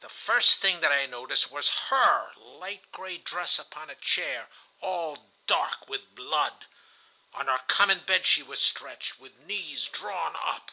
The first thing that I noticed was her light gray dress upon a chair, all dark with blood. On our common bed she was stretched, with knees drawn up.